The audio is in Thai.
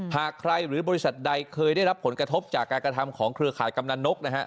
หากใครหรือบริษัทใดเคยได้รับผลกระทบจากการกระทำของเครือข่ายกำนันนกนะฮะ